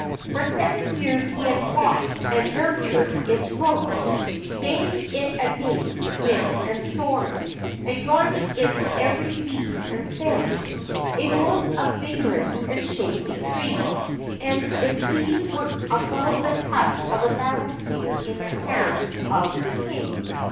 For seven years he had watched and nurtured its growth, staying it against wind and storm, and guarding its every leaf and stem. It was a vigorous and shapely tree, and its leaves were above the touch of a battle spear in the hands of the king.